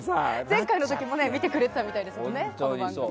前回の時も見てくれてたみたいでこの番組を。